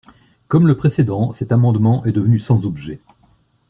Comme le précédent, cet amendement est devenu sans objet.